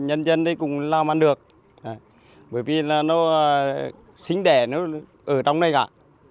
nhân dân đấy cũng làm ăn được bởi vì là nó sinh đẻ nó ở trong đây cả